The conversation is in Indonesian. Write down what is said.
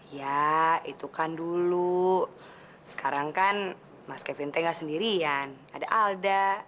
ya itu kan dulu sekarang kan mas kevin teh gak sendirian ada alda